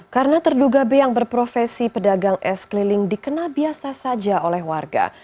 karena terduga b yang berprofesi pedagang es keliling dikena biasa saja oleh warga